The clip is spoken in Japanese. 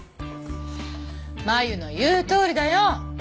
麻友の言うとおりだよ。